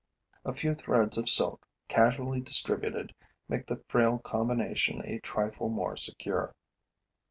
A few threads of silk, casually distributed, make the frail combination a trifle more secure.